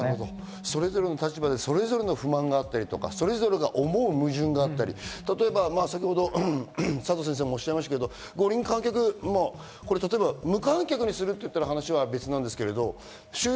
それぞれの立場でそれぞれの不満があったり、それぞれが思う矛盾があったり、先ほど佐藤先生もおっしゃいましたけど、五輪観客を無観客にするといったら、話は別ですけど。